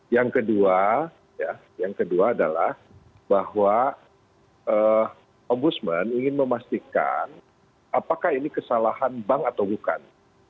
yang kedua yang kedua adalah bahwa ombudsman ingin memastikan apakah ini kesalahan bank atau bukan